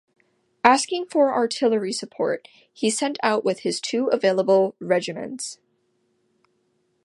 Asking for artillery support he set out with his two available regiments.